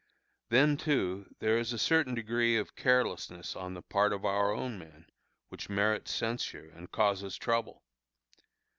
Then, too, there is a certain degree of carelessness on the part of our own men, which merits censure and causes trouble.